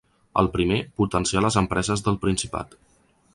El primer, potenciar les empreses del Principat.